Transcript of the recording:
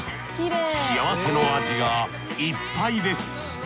幸せの味がいっぱいです。